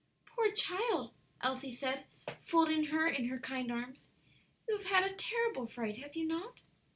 "Poor child!" Elsie said, folding her in her kind arms, "you have had a terrible fright, have you not?"